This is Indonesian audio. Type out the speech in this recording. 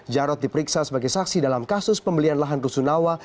jarod diperiksa sebagai saksi dalam kasus pembelian lahan rusunawa